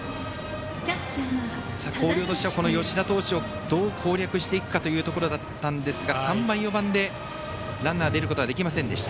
広陵としては吉田投手をどう攻略していくかだったんですが３番、４番でランナー出ることはできませんでした。